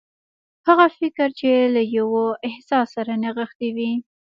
هغه فکر چې له يوه احساس سره نغښتي وي.